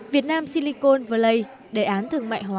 việt nam silicon valley đề án thương mại hồ sơ